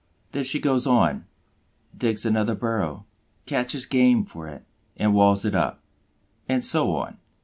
Then she goes on, digs another burrow, catches game for it, and walls it up. And so on.